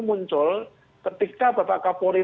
muncul ketika bapak kapolri